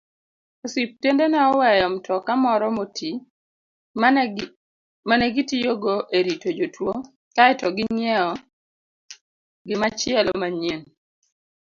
Osiptende ne oweyo mtoka moro moti ma negitiyogo erito jotuwo kaeto ginyiewo gimachielo manyien.